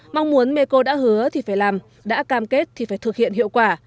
mong muốn meko đã hứa thì phải làm đã cam kết thì phải thực hiện hiệu quả